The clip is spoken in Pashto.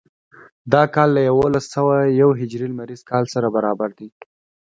دا کال له یوولس سوه یو هجري لمریز کال سره برابر دی.